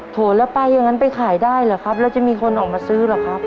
โถแล้วไปอย่างนั้นไปขายได้เหรอครับแล้วจะมีคนออกมาซื้อเหรอครับ